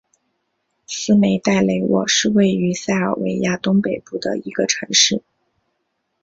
斯梅代雷沃是位于塞尔维亚东北部的一个城市。